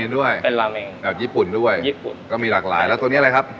ด้วยเป็นราเมงแบบญี่ปุ่นด้วยญี่ปุ่นก็มีหลากหลายแล้วตัวนี้อะไรครับ